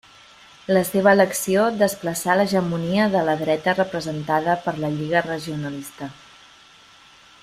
La seva elecció desplaçà l’hegemonia de la dreta representada per la Lliga Regionalista.